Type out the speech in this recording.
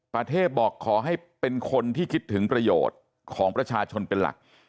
ประเทศบอกขอให้เป็นคนที่คิดถึงประโยชน์ของประชาชนเป็นหลัก